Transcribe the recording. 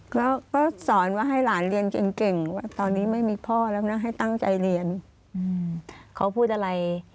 เขาพูดอะไรกับเราบ้างไหมคะ